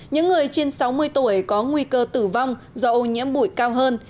những người trên sáu mươi tuổi có nguy cơ tử vong do ô nhiễm bụi cao hơn